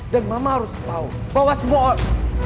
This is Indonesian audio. dan mama harus tau bahwa semua orang